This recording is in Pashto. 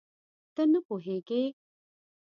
ته نه پوهېږې؟